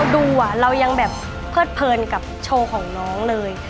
เรายังแบบเพิดเพลินกับโชว์ของน้องเลย